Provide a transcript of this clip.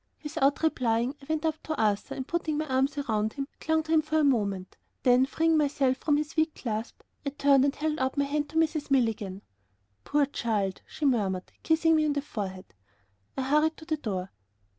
Without replying, I went up to Arthur and, putting my arms round him, clung to him for a moment then, freeing myself from his weak clasp, I turned and held out my hand to Mrs. Milligan. "Poor child," she murmured, kissing me on the forehead. I hurried to the door.